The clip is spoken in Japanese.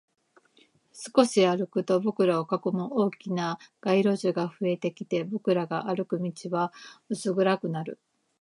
少し歩くと、僕らを囲む大きな街路樹が増えてきて、僕らが歩く道は薄暗くなる